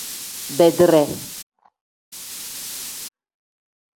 Beedire.